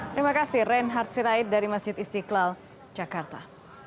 terima kasih reinhard sirait dari masjid istiqlal jakarta